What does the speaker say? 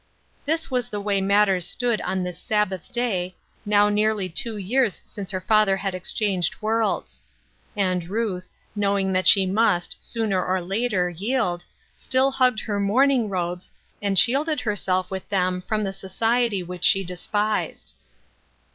This was the way matters stood on this Sabbath day, now nearly two years since her father had exchanged worlds ; and Ruth, knowing that she must, sooner or later, yield, still hugged her mourn ing robes, and shielded herself with them from the society which she despised.